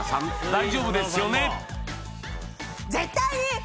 大丈夫ですよね？